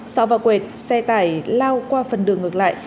sau vào quẹt xe tải lao qua phần đường ngược lại